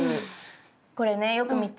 これねよく見て。